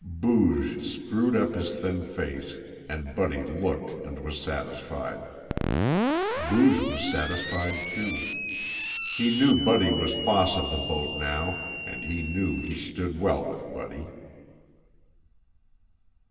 Booge screwed up his thin face, and Buddy looked and was satisfied. Booge was satisfied, too. He knew Buddy was boss of the boat, now, and he knew he stood well with Buddy.